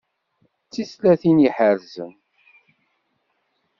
D tislatin iḥerzen.